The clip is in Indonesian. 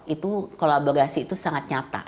itu kolaborasi itu sangat nyata